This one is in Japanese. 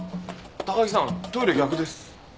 高木さんトイレ逆です。